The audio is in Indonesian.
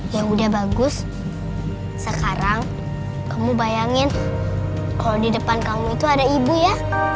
yang udah bagus sekarang kamu bayangin kalau di depan kamu itu ada ibu ya